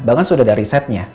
bahkan sudah ada risetnya